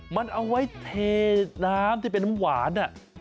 มันเอาไว้เทน้ำที่เป็นน้ำหวาน